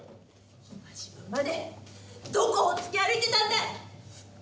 「今時分までどこほっつき歩いてたんだい！」